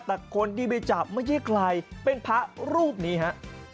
แต่คนที่ไปจับไม่ใช่ใครเป็นพระรูปนี้ฮะ